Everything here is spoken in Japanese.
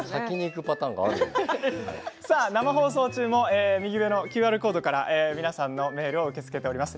生放送中もＱＲコードから皆さんのメールを受け付けています。